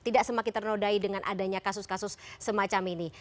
tidak semakin ternodai dengan adanya kasus kasus semacam ini